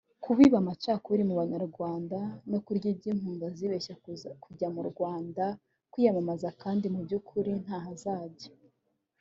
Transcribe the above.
kubiba amacakubiri mu banyarwanda no kurya iby’impunzi azibeshyeshya kujya mu Rwanda kwiyamamaza kandi mubyukuri ntaho azajya